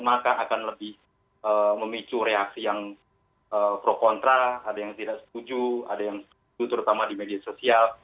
maka akan lebih memicu reaksi yang pro kontra ada yang tidak setuju ada yang setuju terutama di media sosial